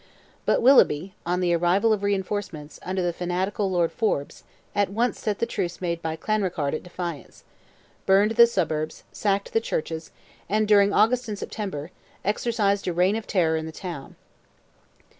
But Willoughby, on the arrival of reinforcements, under the fanatical Lord Forbes, at once set the truce made by Clanrickarde at defiance, burned the suburbs, sacked the Churches, and during August and September, exercised a reign of terror in the town.